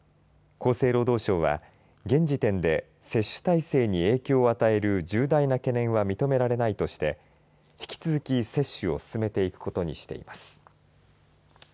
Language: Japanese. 厚生労働省は現時点で接種体制に影響を与える重大な懸念は認められないとして引き続き接種を進めていくことにしています。